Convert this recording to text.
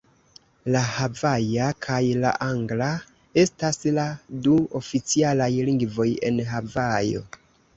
La havaja kaj la angla estas la du oficialaj lingvoj en Havajo.